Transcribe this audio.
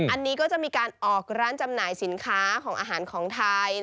อันนี้ก็จะมีการออกร้านจำหน่ายสินค้าของอาหารของไทย